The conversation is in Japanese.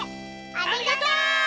ありがとう！